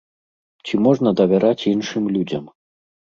Ці можна давяраць іншым людзям?